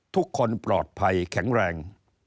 ทุกคนปลอดภัยแข็งแรง